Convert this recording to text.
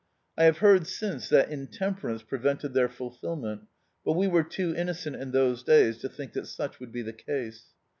I have heard since that intemperance prevented their fulfilment, but we were too innocent in those days K> think that such would be the case.